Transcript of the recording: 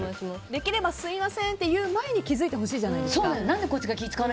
できれば、すみませんって言う前に気付いてほしいじゃないですか。